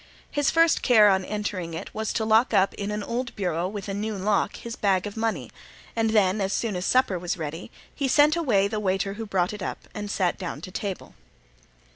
His first care on entering it was to lock up in an old bureau with a new lock his bag of money, and then as soon as supper was ready he sent away the waiter who brought it up and sat down to table.